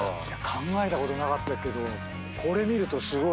考えたことなかったけどこれ見るとすごいいいっすね。